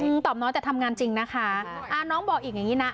ตอบน้อยแต่ทำงานจริงนะคะอ่าน้องบอกอีกอย่างงี้นะ